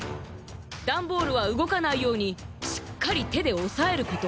ダンボールはうごかないようにしっかりてでおさえること。